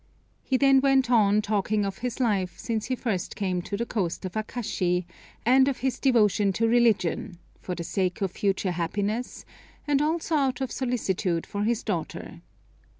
He then went on talking of his life since he first came to the coast of Akashi, and of his devotion to religion, for the sake of future happiness, and also out of solicitude for his daughter.